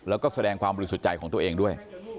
แล้วก็แสดงความบริสุทธิ์ใจของตัวเองด้วย